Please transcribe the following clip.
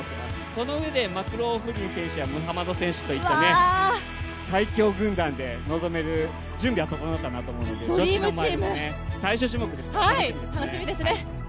そのうえでマクローフリン選手やムハマド選手といった最強軍団で臨める準備は整ったなと思うので女子のマイル最終種目ですから楽しみですね。